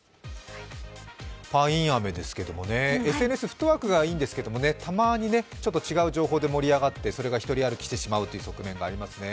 パインアメですけれどもＳＮＳフットワークはいいんですけれどたまにちょっと違う情報で盛り上がってそれがひとり歩きしてしまう側面がありますね。